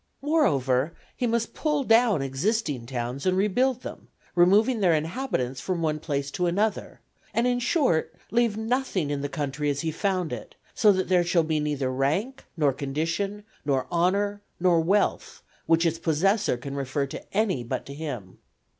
Moreover, he must pull down existing towns and rebuild them, removing their inhabitants from one place to another; and, in short, leave nothing in the country as he found it; so that there shall be neither rank, nor condition, nor honour, nor wealth which its possessor can refer to any but to him.